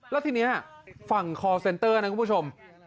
แล้วทีนี้ฝั่งคอร์เซ็นเตอร์นะคุณผู้ชม